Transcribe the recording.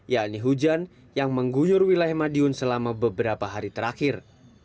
yakni hujan yang mengguyur wilayah madiun selama beberapa hari terakhir